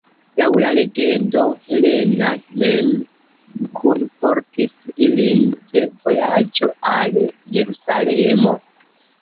Laŭ la legendo Helena mem kunportis ilin de vojaĝo al Jerusalemo.